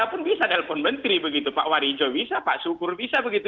kita pun bisa menelpon menteri begitu pak wari jo bisa pak syukur bisa begitu